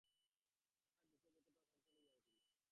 তাহার বুকের ভিতরটা চঞ্চল হইয়া উঠিল।